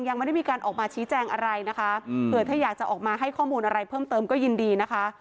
ยังไม่ได้มีการออกมาชี้แจงอะไรนะคะเผื่อถ้าอยากจะออกมาให้ข้อมูลอะไรเพิ่มเติมก็ยินดีนะคะ